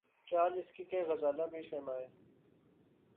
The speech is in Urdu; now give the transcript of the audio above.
چال اس کی کہ، غزال بھی شرمائیں